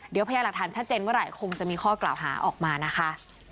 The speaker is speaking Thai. เดี๋ยวพยายามหลักฐานชัดเจนเมื่อไหร่คงจะมีข้อกล่าวหาออกมานะคะ